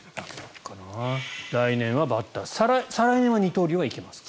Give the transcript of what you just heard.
来年はバッター再来年は二刀流、行けますか？